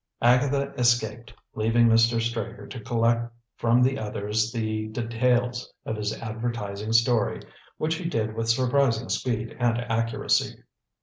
Agatha escaped, leaving Mr. Straker to collect from others the details of his advertising story, which he did with surprising speed and accuracy.